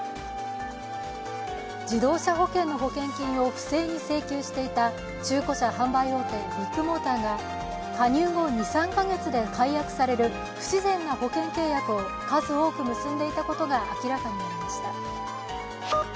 自動車保険の保険金を不正に請求していた中古車販売大手ビッグモーターが加入後２３か月で解約される不自然な保険契約を数多く結んでいたことが明らかになりました。